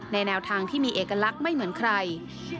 แนวทางที่มีเอกลักษณ์ไม่เหมือนใคร